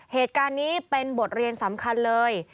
เหตุการณ์นี้เป็นบทเรียนสำคัญเลย